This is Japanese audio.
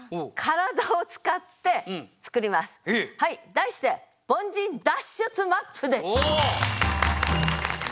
題して「凡人脱出マップ」です。